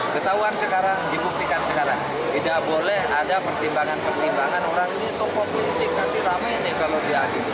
ketahuan sekarang dibuktikan sekarang tidak boleh ada pertimbangan pertimbangan orang ini tokoh politik nanti rame nih kalau diadili